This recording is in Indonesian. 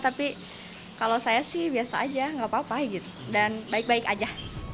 tapi kalau saya sih biasa aja nggak apa apa gitu dan baik baik aja